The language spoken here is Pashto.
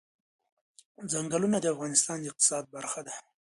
چنګلونه د افغانستان د اقتصاد برخه ده.